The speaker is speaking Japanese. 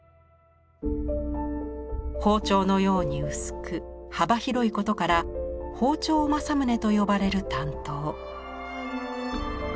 包丁のように薄く幅広いことから「庖丁正宗」と呼ばれる短刀。